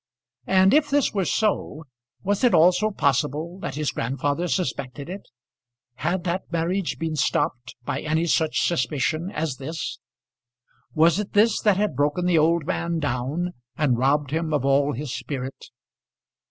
And if this were so, was it also possible that his grandfather suspected it? Had that marriage been stopped by any such suspicion as this? Was it this that had broken the old man down and robbed him of all his spirit?